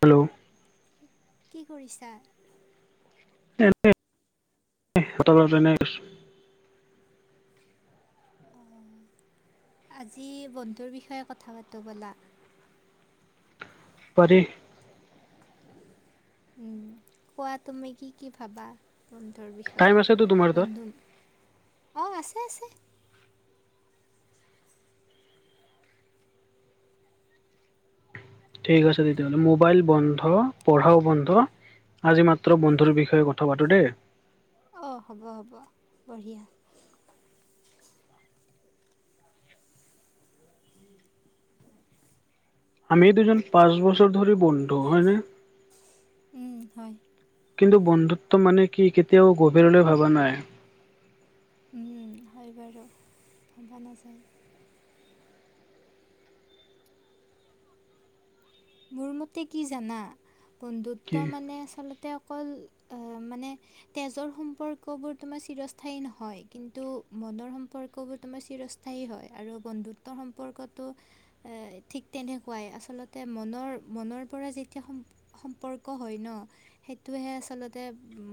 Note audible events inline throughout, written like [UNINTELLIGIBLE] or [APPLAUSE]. Hello কি কৰিছা? এনে এনে আছোঁ আজি বন্ধুৰ বিষয়ে কথা পাতো ব'লা। পাৰি উম, কোৱা তুমি কি কি ভাবা? বন্ধৰ টাইম বিষয়ে আছেতো তোমাৰ তাত বন্ধু অ', আছে আছে। ঠিক আছে তেতিয়াহ'লে মোবাইল বন্ধ পঢ়াও বন্ধ আজি মাত্ৰ বন্ধুৰ বিষয়ে কথা পাতোঁ দেই। অঁ', হ'ব, হ'ব, বঢ়িয়া। আমি দুজন পাঁচ বছৰ ধৰি বন্ধু হয়নে? উম, হয়। কিন্তু বন্ধুত্ব মানে কি কেতিয়াও গভীৰলৈ ভবা নাই। উম, হয়, বাৰু ভবা নাযায়। মোৰ মতে কি জানা, বন্ধুত্ব কি মানে আচলতে অকল মানে তেজৰ সম্পৰ্ক বোৰ তোমাৰ চিৰস্থায়ী নহয় কিন্তু মনৰ সম্পৰ্ক বোৰ তোমাৰ চিৰ স্থাযী হয়, আৰু বন্ধুত্বৰ সম্পৰ্কতো ঠিক তেনেকুৱাই, আচলতে মনৰ মনৰ পৰা যেতিয়া সম সম্পৰ্ক হয় ন'। সেইটোহে আচল্ততে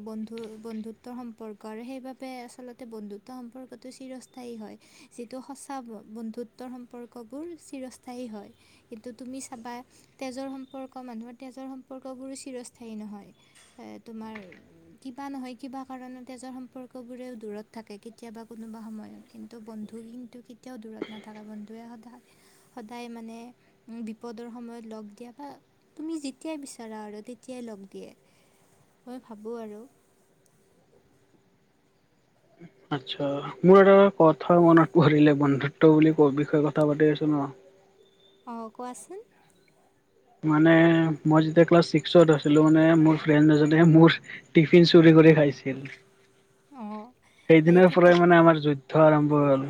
বন্ধু বন্ধুত্বৰ সম্পৰ্ক, আৰু সেইবাবে আচল্ততে বন্ধুত্ব সম্পৰ্কটো চিৰস্থায়ী হয়, যিটো সঁচা বন্ধুত্বৰ সম্পৰ্কবোৰ চিৰস্থায়ী হয়। কিন্তু তুমি চাবা। তেজৰ সম্পৰ্ক মানুহৰ তেজৰ সম্পৰ্কবোৰো চিৰস্থায়ী নহয় তোমাৰ কিবা নহয় কিবা কাৰণত তেজৰ সম্পৰ্ক বোৰেও দূৰত থাকে কেতিয়াবা কোনোবা সময়ত কিন্তু বন্ধু কিন্তু কেতিয়াও দূৰত নাথাকে বন্ধুৱে সদায় সদায় মানে বিপদৰ সময়ত লগ দিয়া বা, তুমি যেতিয়াই বিচাৰা আৰু তেতিয়াই লগ দিয়ে। মই ভাবোঁ আৰু। আত্ছা মোৰ এটা কথা মনত পৰিলে বন্ধুত্ব বুলি ক বিষয়ে কথা পাতি আছো ন'। অঁ', কোৱাচোন। মানে মই যেতিয়া ক্লাছ ছিক্সত আছিলো, মানে মোৰ ফ্ৰেণ্ড এজনে মোৰ টিফিন চুৰি কৰি খাইছিল। অঁ সেই সেইদিনৰ পৰাই তাক মানে আমাৰ যুদ্ধ আৰম্ভ হ'ল।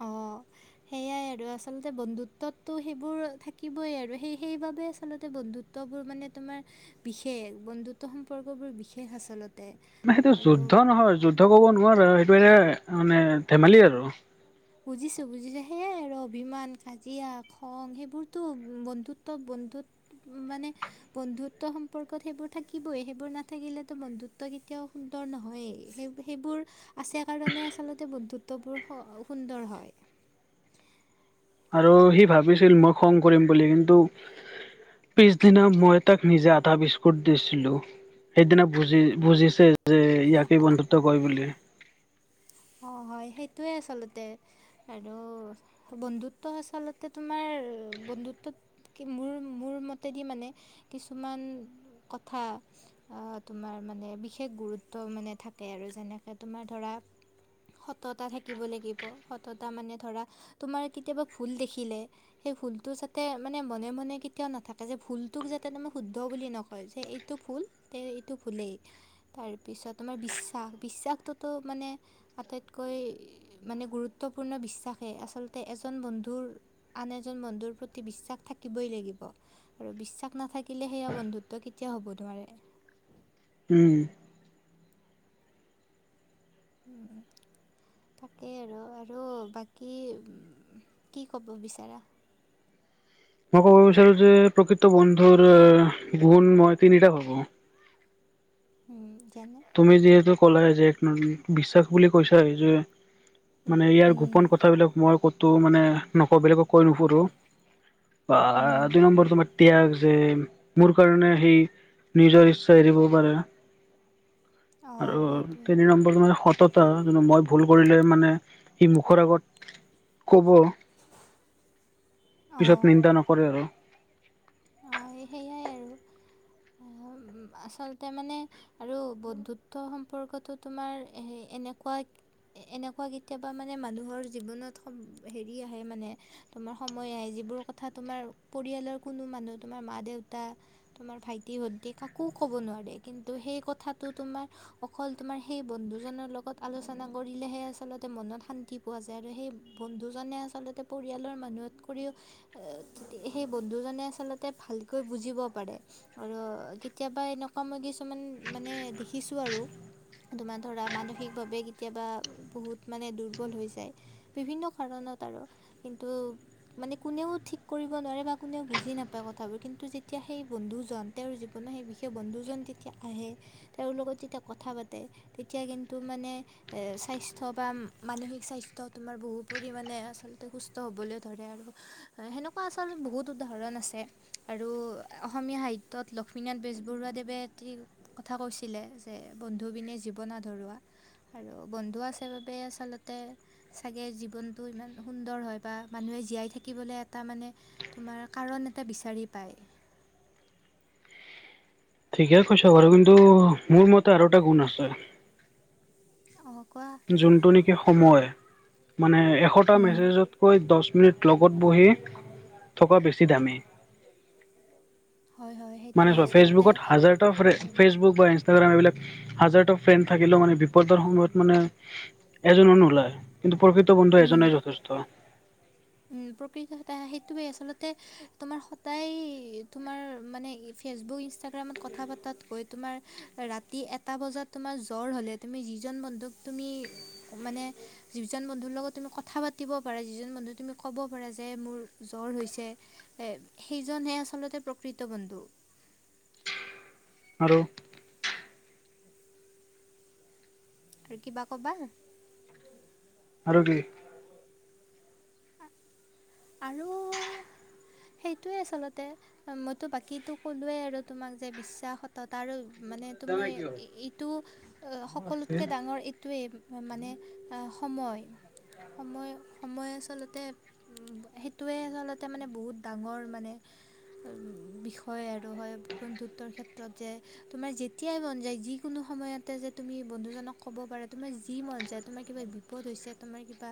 অঁ'। সেয়াই আৰু আচলতে বন্ধুত্বতো সেইবোৰ থাকিবই, আৰু সেই সেইবাবে আচলতে বন্ধুত্ব বোৰ মানে তোমাৰ বিশেষ বন্ধুত্ব সম্পৰ্কবোৰ বিশেষ আচলতে। মানে সেইটো আৰু যুদ্ধ নহয় যুদ্ধ ক'ব নোৱাৰো সেইটো এ মানে ধেমালি আৰু। বুজিছোঁ বুজিছোঁ, সেয়াই আৰু অভিমান কাজিয়া খং সেইবোৰতো বন্ধুত্ব বন্ধুত্ব মানে বন্ধুত্ব সম্পৰ্কত সেইবোৰ থাকিবই সেইবোৰ নাথাকিলেতো বন্ধুত্ব কেতিয়াও সুন্দৰ নহয়েই, সেই সেইবোৰ আছে কাৰণে আচলতে বন্দ্ধুত্ববোৰ সুন্দৰ হয়। আৰু সি ভাবিছিল মই খং কৰিম বুলি কিন্তু পিছদিনা মই তাক নিজে আধা বিস্কুট দিছিলো। সেইদিনা বুজি বুজিছে যে, ইয়াকে বন্ধুত্ব কয় বুলি। অঁ', হয়, সেইটোৱে আচলতে। আৰু বন্ধুত্ব আচলতে তোমাৰ বন্ধুত্বত মোৰ মোৰ মতেদি মানে কিছুমান কথা। তোমাৰ মানে বিশেষ গুৰুত্ব মানে থাকে আৰু যেনেকে তোমাৰ ধৰা সততা থাকিব লাগিব সততা মানে ধৰা তোমাৰ কেতিয়াবা ভুল দেখিলে সেই ভুলটো যাতে মানে মনে মনে কেতিয়াও নাথাকে যে ভুলটোক যাতে তমে শুদ্ধ বুলি নকয় যে, এই এইটো ভুল তে ইটো ভুলেই। তাৰপিছত আমাৰ বিশ্বাস বিশ্বাসটোতো মানে আটাইতকৈ মানে গুৰুত্বপূৰ্ণ বিশ্বাসে আচলতে এজন বন্ধুৰ আন এজন বন্ধুৰ প্ৰতি বিশ্বাস থাকিবই লাগিব। আৰু বিশ্বাস নাথাকিলে সেয়া বন্ধুত্ব কেতিয়াও হ'ব নোৱাৰে। উম। উম। তাকেই আৰু আৰু বাকী কি ক'ব বিচাৰা। মই ক'ব বিচাৰো যে প্ৰকৃত বন্ধুৰ গুণ মই তিনিটা ভাবো। উম যেনে তুমি যিহেতু ক'লা যে বিশ্বাস বুলি কৈছা এই যে উম মানে ইয়াৰ গোপন উম কথাবিলাক মই ক'তো মানে নকওঁবিলাকো কৈ নুফুৰো অ উম আ ন্বৰটো ম এতিাগ যে মোৰ কাৰণে সেই নিজৰ ইচ্ছা এৰিব পাৰে অঁ আৰু সেইটোৱে তিনি নম্বৰটো মানে সততাো মই ভুল কৰিলে মানে সি মুখৰ আগত ক'ব পিছত নিন্দা নকৰে আৰু অ সেয়াই আৰু আচলতে মানে আৰু বন্ধুত্ব সম্পৰ্কতো তোমাৰ এ এনেকুৱা এনেকুৱা কেতিয়াবা মানে মানুহৰ জীৱনত সব হেৰি আহে মানে তোমাৰ সময় আহ যিবোৰ কথা তোমাৰ পৰিয়ালৰ কোনো মানুহ তোমাৰ মা দেউতা তোমাৰ ভাইটি সৈতে কাকো ক'ব নোৱাৰে কিন্তু সেই কথাটো তোমাৰ অকল তোমাৰ সেই বন্ধু জনৰ লগত আলোচনা কৰিলেহে আচল্ততে মনত শান্তি পোৱা যায় আৰু সেই বন্ধুজনে আচলতে পৰিয়ালৰ মানুহতকও সেই বন্ধুজনে আচলতে ভালকৈ বুজিব পাৰে আৰু কেতিয়াবা এনেকুৱা মই কিছুমান মানে দেখিছো আৰু তোমাৰ ধৰা মানসিকভাৱে কেতিয়াবা বহুত মানে দুৰ্বল হৈ যায় বিভিন্ন কাৰণত আৰু কিন্তু মানে কোনেও ঠিক কৰিব নোৱাৰে বা কোনেও বুজি নাপায় উপায় কথাবোৰ কিন্তু যেতিয়া সেই বন্ধুজন তেওঁৰ জীৱনৰত সেই বিশেষ বন্ধুজন যেতিয়া আহে তেওঁৰ লগত যেতিয়া কথা পাতে তেতিয়া কিন্তু মানে এ স্বাস্থ্য় বা মানসিক স্বাস্থ্্য তোমাৰ বহু পৰিমণে আচলতে সুস্থ ষ্ট হ'বলৈ ধৰে আৰু সেনেকুৱা আচল বহুত উদাহৰণ আছে আৰু অসমীয়া সাহিত্যত লক্ষ্মীনাথ বেজবৰুৱাদেৱে এটি কথা কৈছিলে যে বন্ধুবিনে জীৱন আধৰুৱা আৰু বন্ধু আছে বাবে আচলতে চাগে জীৱনটো ইমান সুন্দৰ হয় বা মানুহে জীয়াই থাকিবলৈ এটা মানে তোমাৰ কাৰণ এটা বিচাৰি পায় ঠিকে কৈছ বাৰু কিন্তু মোৰ মতে আৰু এটা গুণ আছে অ কোৱা যোনটো নেকি সময় মানে এশটা উম, মেছেজত কৈ দহ মিনিট লগত বহি থকা বেছি দামী হয় হয় মানে সেইটোৱে চোৱা আচলতে ফেচবুকত হাজাৰ ফ্ৰ ফেচবুক বা ইনষ্টাগ্ৰাম এইবিলাক হাজাৰটা ফ্ৰেণ্ড থাকিলেও মানে বিপদৰ সময়ত মানে এজননৰ নলয় কিন্তু প্ৰকৃত বন্ধু উম এজনে যথেষ্ট প্ৰকৃত এ সেইটোৱেই আচলতে তোমাৰ সদায় তোমাৰ মানে ফেচবুক ইনষ্টাগ্ৰামত কথা পা তাতকৈ তোমাৰ ৰাতি এটা বজাত তোমাৰ জ্বৰ হ'লে তুমি যিজন বন্ধুক তুমি মানে যিজন বন্ধুৰ লগত তুমি কথা পাতিব পাৰা যিজন বন্ধু তুমি ক'ব পৰা যে মোৰ জ্বৰ হৈছে সেইজনহে আচলতে প্ৰকৃত বন্ধু আৰু আৰু কিবা ক'বা আৰু কি আৰু সেইটোৱে আচলতে মইতো বাকীো কলোোৱে আৰু তোমাক যে বিশ্বাসতত আৰু মানে তোমাৰ এইটো সকলোতকে ডাঙৰ টোৱেই মানে সময় সময় সময় আচলতে সেইটোৱে আচলতে মানে বহুত ডাঙৰ মানে উ বিষয় আৰু হয় বন্ধুত্বৰ ক্ষেত্ৰত যে তোমাৰ যেতিয়াই মন যায়, যি কোনো সময়তে যে তুমি বন্ধুজনক ক'ব পাৰা। তোমাৰ যি মন যায় তোমাৰ কিবা বি পদ হৈছে তোমাৰ কিবা,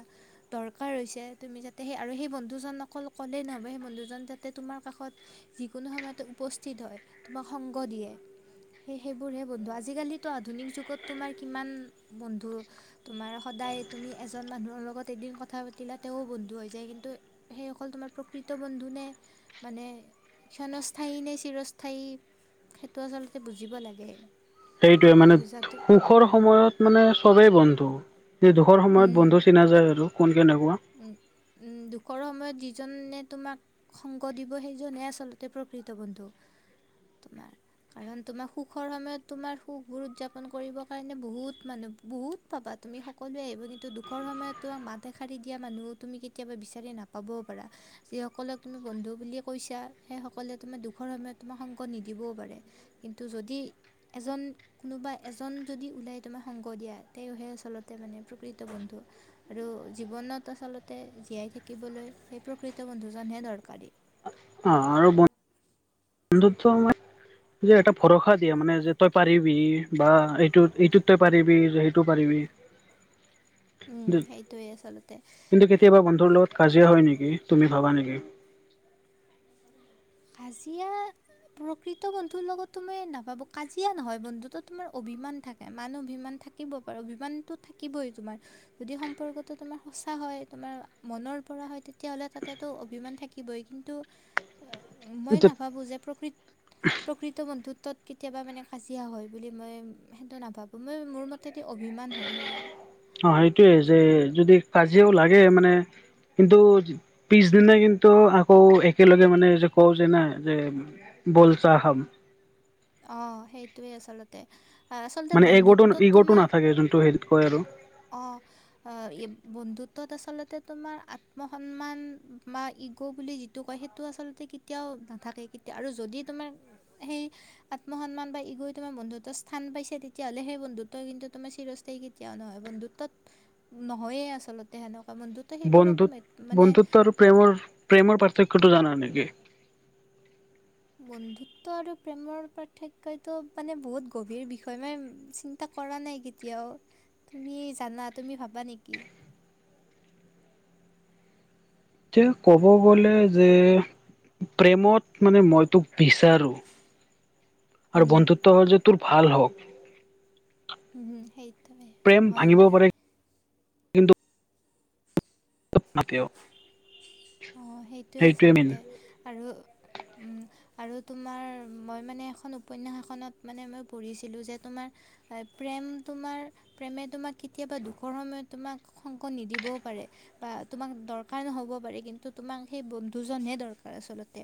দৰকাৰ হৈছে। তুমি যাতে সেই আৰু সেই বন্ধু দুজন অকল ক'লেই নহ'ব। সেই বন্ধুজন যাতে তোমাৰ কাষত যিকোনো সময়তে উপস্থিত হয়, তোমাক সংগ দিয়ে। সেই সেইবোৰহে বন্ধু। আজিকালিতো আধুনিক যুগত তোমাৰ কিমান বন্ধু তোমাৰ সদায় তুমি এজন মানুহৰ লগত এদিন কথা পাতিলা, তেৱোঁ বন্ধু হৈ যায় কিন্তু সেইসকল তোমাৰ প্ৰকৃত বন্ধুনে? মানে ক্ষণস্থায়ী নে চিৰস্থায়ী, সেইটো আচলতে বুজিব লাগে। সেইটোৱে বা মানে, বুজাটো সুখৰ সময়ত মানে চবেই বন্ধু। যে দুখৰ উম, সময়ত বন্ধু কিনা যায় আৰু কোন কেনেকুৱা। উম। দুখৰ সময়ত যিজনে তোমাক সংগ দিব, সেইজনহে আচলতে প্ৰকৃত বন্ধু, তোমাৰ। কাৰণ তোমাক সুখৰ সময়ত তোমাৰ সুখবোৰ উদযাপন কৰিব কাৰণে বহুত মানুহ, বহুত পাবা। তুমি সকলোৱে এব কিন্তু দুখৰ সময়ত তোমাক মাত এশাৰী দিয়া মানুহ তুমি কেতিয়াবা বিচাৰি নাপাবও পাৰা। যিসকলক তুমি বন্ধু বুলি কৈছা, সেইসকলে তোমাৰ দুখৰ সময়ত তোমাক সংগ নিদিবও পাৰে। কিন্তু যদি এজন কোনোবা এজন যদি ওলাই তোমাক সংগ দিয়া, তেওঁহে আচলতে মানে প্ৰকৃত বন্ধু। আৰু জীৱনত আচলতে জীয়াই থাকিবলৈ, সেই প্ৰকৃত বন্ধুজনহে দৰকাৰী। অ, আৰু বন বন্ধুত্ব আমাই যে এটা ভৰসা দিয়ে মানে যে তই পাৰিবি বা এইটোত, এইটোত তই পাৰিবি যে সেইটো পাৰিবি। উম। সেইটোৱে আচলতে। কিন্তু কেতিয়াবা বন্ধুৰ লগত কাজিয়া হয় নেকি, তুমি ভাবা নেকি? কাজিয়া প্ৰকৃত বন্ধুৰ লগতটো মই নাভাবোঁ। কাজিয়া নহয়, বন্ধুত তোমাৰ অভিমান থাক মান-অভিমান থাকিব পাৰ। অভিমানতো থাকিবই তোমাৰ যদি সম্পৰ্কটো তোমাৰ সঁচা হয়, তোমাৰ মনৰ পৰা হয়। তেতিয়াহ'লে তাতেটো অভিমান থাক কিবই কিন্তু মই নাভাবোঁ যে প্ৰকৃত, প্ৰকৃত বন্ধুত্বত কেতিয়াবা মানে কাজিয়া হয় বুলি, মই সেইটো নাভাবোঁ। মই মোৰ মতে দি অভিমান হয় সেয়া। অ, সেইটোয়ে যে যদি কাজিয়াও লাগে মানে কিন্তু পিছদিনা কিন্তু আকৌ একেলগে মানে যে কওঁ যে না যে ব'ল ছা খাব'। অ', সেইটোৱেই আচলতে। আহ, আচলতে মানে এগ'টো, বন্ধুত্বত ইগ'টো নাথাকে। যোনটো হেৰিত কয় আৰু অ'। অ, বন্ধুত্বত আচলতে তোমাৰ আত্মসন্মান বা ইগ' বুলি যিটো কয় সে তো আচলতে কেতিয়াও নাথাকে। কেতিয়া, আৰু যদি তোমাৰ সেই আত্মসন্মান বা ইগ'ই তোমাৰ বন্ধুত্ব স্থান পাইছে, তেতিয়াহ'লে সেই বন্ধুত্ব কিন্তু তোমাৰ চিৰস্থায়ী কেতিয়াও নহয়। বন্ধুত্বত নহয়ে আচলতে সেনেকুৱা। বন্ধুত সেইবোৰ একো বন্ধুত মেত মানে বন্ধুত্ব আৰু প্ৰেমৰ, প্ৰেমৰ পাৰ্থক্যটো জানা নিকি? বন্ধুত্ব আৰু প্ৰেমৰ পাৰ্থক্যয়টো মানে বহুত গভীৰ বিষয় মানে চিন টা কৰা নাই কেতিয়াও। তুমি জানা, তুমি ভাবা নেকি? তিয়া, ক'ব গ'লে যে প্ৰেমত মানে মই তোক বিচাৰোঁ। আৰু হুম বন্ধুত্ব হ'ল যে তোৰ ভাল হওঁক। উম। সেইটোৱে। হয়, ভাঙিব হয়। পাৰে কিন্তু [UNINTELLIGIBLE] অ, সেইটোৱে আচলতে আৰু আৰু তোমাৰ, মই মানে এখন উপন্যাস এখনত মানে মই পঢ়িছিলোঁ যে তোমাৰ প্ৰেম তোমাৰ প্ৰেমে তোমাক কেতিয়াবা দুখৰ সময়ত তোমাক শংক নিদিবও পাৰে। বা তোমাক দৰকাৰ হ'ব পাৰে কিন্তু টো তোমাক সেই বন্ধুজনহে দৰকাৰ আচলতে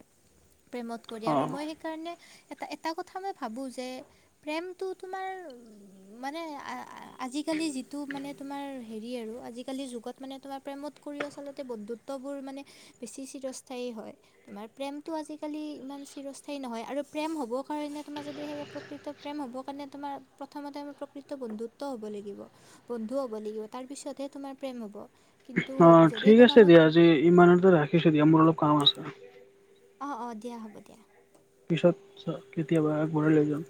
প্ৰেমত কৰি অ আৰু মই সেইকাৰণে এটা এটা কথা মই ভাবোঁ যে প্ৰেমটো তোমাৰ মানে আ-আজিকালি যিটো মানে তোমাৰ হেৰি আৰু আজিকালিৰ যুগত মানে তোমাৰ প্ৰেমত কৰি আচলতে বন্ধুত্ববোৰ মানে বেছি চিৰস্থায়ী হয়। তোমাৰ প্ৰেমটো আজিকালি ইমান চিৰস্থায়ী নহয় আৰু প্ৰেম হ'ব কাৰণে তোমাৰ যদি সেই প্ৰকৃত প্ৰেম হ'বৰ কাৰণে তোমাৰ প্ৰথমতে আমাৰ প্ৰকৃত বন্ধুত্ব হ'ব লাগিব। বন্ধু হ'ব লাগিব তাৰপিছতহে তোমাৰ প্ৰেম হ'ব। কিন্তু অ' যদি ঠিক আছে তোমালোক দিয়া আজি ইমানতে ৰাখিছো দিয়া, মোৰ অলপ কাম আছে। অ', অ' দিয়া, হ'ব দিয়া। পিছত কেতিয়াবা আগবঢ়াই লৈ যাম।